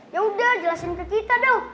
yaudah jelasin ke kita dong